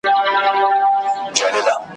یو ناڅاپه یو ماشوم راغی له پاسه .